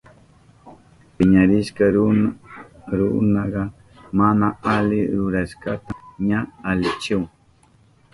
Piñarishka runaka mana ali rurashkanta ña alichahun.